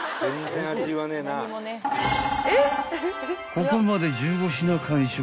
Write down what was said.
［ここまで１５品完食］